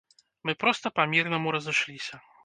Мы проста па мірнаму разышліся.